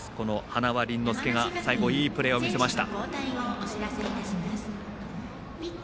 塙綸ノ亮が最後、いいプレーを見せました。